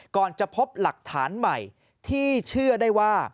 ก่อนจะพบหลักฐานใหม่ที่เชื่อได้ว่า